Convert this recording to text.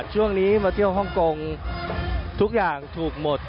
ช่วงนี้มาเที่ยวฮ่องกงทุกอย่างถูกหมด